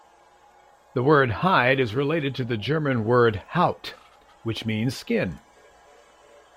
The word "hide" is related to the German word "Haut" which means skin.